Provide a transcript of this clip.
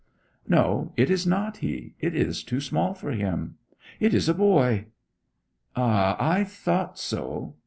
'No, it is not he. It is too small for him. It is a boy.' 'Ah, I thought so!